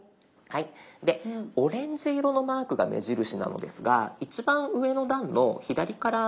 でオレンジ色のマークが目印なのですが一番上の段の左から２つ目ですかね。